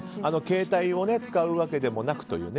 携帯を使うわけでもなくという。